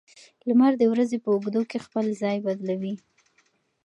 لمر د ورځې په اوږدو کې خپل ځای بدلوي.